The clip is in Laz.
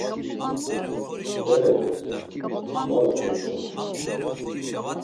Bere vort̆i, var oxovotzonamt̆i.